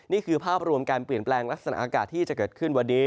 นี่คือภาพรวมการเปลี่ยนแปลงลักษณะอากาศที่จะเกิดขึ้นวันนี้